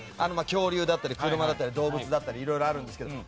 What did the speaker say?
恐竜だったり車だったり動物だったりいろいろあるんですけれども。